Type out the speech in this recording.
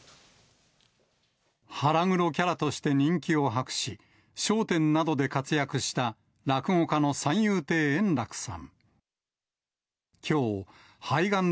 腹黒キャラとして人気を博し、笑点などで活躍した落語家の三遊亭円楽さん。